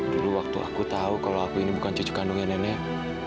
dulu waktu aku tahu kalau aku ini bukan cucu kandungnya nenek